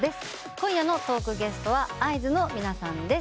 今夜のトークゲストはＩ’ｓの皆さんです。